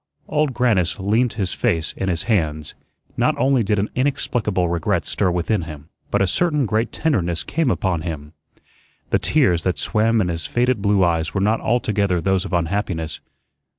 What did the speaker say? Old Grannis leant his face in his hands. Not only did an inexplicable regret stir within him, but a certain great tenderness came upon him. The tears that swam in his faded blue eyes were not altogether those of unhappiness.